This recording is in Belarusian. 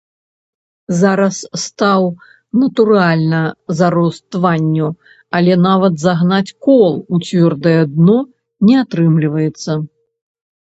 Зараз стаў, натуральна, зарос тванню, але нават загнаць кол у цвёрдае дно не атрымліваецца.